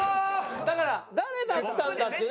だから誰だったんだってね。